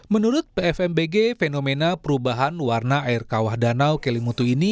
menurut pfmbg fenomena perubahan warna air kawah danau kelimutu ini